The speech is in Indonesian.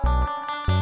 bu yola pak sain